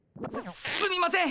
すすみません！